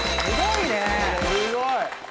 すごいね！